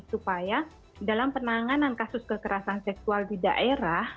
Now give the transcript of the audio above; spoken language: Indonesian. supaya dalam penanganan kasus kekerasan seksual di daerah